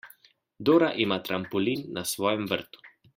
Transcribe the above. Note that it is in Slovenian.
Dora ima trampolin na svojem vrtu.